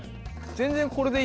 全然これでいいよね。